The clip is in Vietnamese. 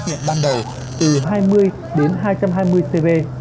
từ hai mươi đến hai trăm hai mươi cv